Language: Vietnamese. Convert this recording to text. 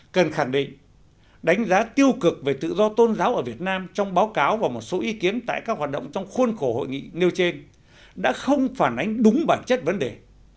cần khẳng định đánh giá tiêu cực về tự do tôn giáo ở việt nam trong báo cáo và một số ý kiến tại các hoạt động trong khuôn khổ hội nghị nêu trên đã không phản ánh đúng bản chất vấn đề